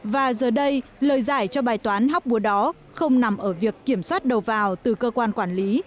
và giờ đây lời giải cho bài toán hóc búa đó không nằm ở việc kiểm soát đầu vào từ cơ quan quản lý